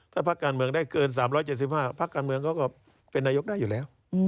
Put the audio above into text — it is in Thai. ถ้าพักการเมืองได้เกิน๓๗๕พักการเมืองเขาก็เป็นนายกได้อยู่แล้ว